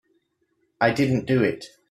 I didn't do it.